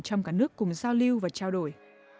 trong cả nước cùng giao lưu và trao đổi